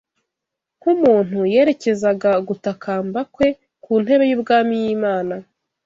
Nk’umuntu, yerekezaga gutakamba kwe ku ntebe y’ubwami y’Imana